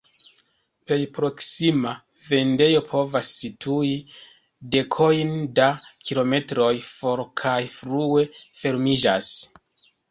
Plej proksima vendejo povas situi dekojn da kilometroj for kaj frue fermiĝas.